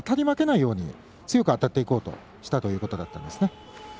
負けないように強くあたっていこうとしたということだったんですね。